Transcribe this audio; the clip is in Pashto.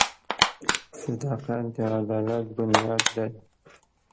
• صداقت د عدالت بنیاد دی.